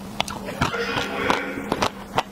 Acu tebɣiḍ?